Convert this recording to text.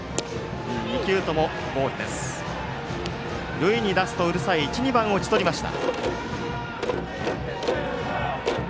塁に出すとうるさい１、２番を打ち取りました。